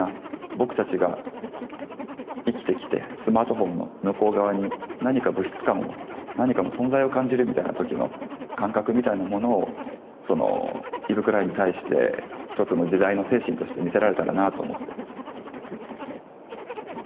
僕たちが生きてきてスマートフォンの向こう側に何か物質感を何かの存在を感じるみたいな時の感覚みたいなものをイヴ・クラインに対して一つの時代の精神として見せられたらなぁと思って。